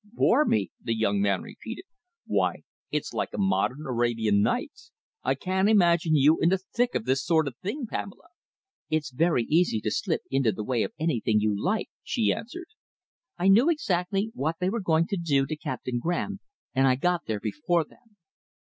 "Bore me!" the young man repeated. "Why, it's like a modern Arabian Nights. I can't imagine you in the thick of this sort of thing, Pamela." "It's very easy to slip into the way of anything you like," she answered. "I knew exactly what they were going to do to Captain Graham, and I got there before them.